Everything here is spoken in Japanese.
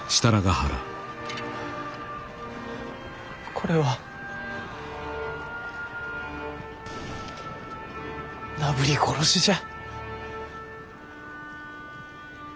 これはなぶり殺しじゃ。